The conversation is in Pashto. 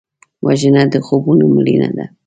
وژنه د خوبونو مړینه ده